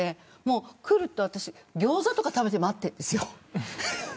来るとギョーザとか食べて待ってるんですよ。